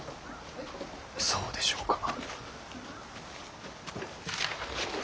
そうでしょうか。